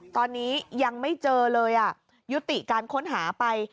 ตอนนี้ยังไม่เจอเลยยุติการค้นหาไป